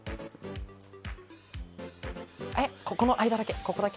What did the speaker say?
この間だけ。